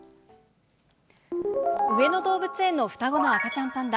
上野動物園の双子の赤ちゃんパンダ。